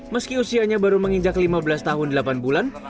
meski usianya baru menginjak lima belas tahun delapan bulan